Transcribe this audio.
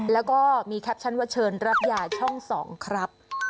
แล้วก็มีแคปชั่นว่าเชิญรับยาช่อง๒ครับ